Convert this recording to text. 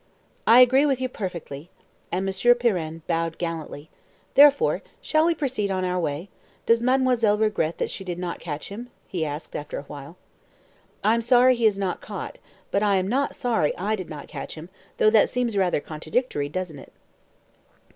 "I agree with you perfectly." And Monsieur Pirenne bowed gallantly. "Therefore, shall we proceed on our way? Does mademoiselle regret that she did not catch him?" he asked, after a while. "I am sorry he is not caught but I am not sorry I did not catch him, though that seems rather contradictory, doesn't it?"